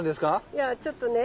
いやちょっとね